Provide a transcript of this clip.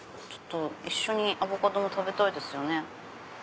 一緒にアボカドも食べたいですよね。